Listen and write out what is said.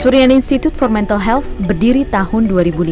suriani institute for mental health berdiri tahun dua ribu lima